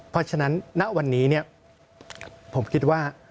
เพราะฉะนั้นณวันนี้ผมคิดว่า